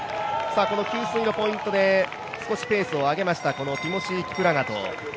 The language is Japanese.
この給水のポイントで少しペースを上げました、ティモシー・キプラガト。